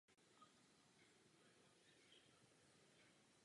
V tomtéž roce absolvovali veliké turné po Čechách a Moravě.